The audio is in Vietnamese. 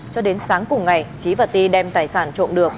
cho đến sáng cùng ngày trí và ti đem tài sản trộm được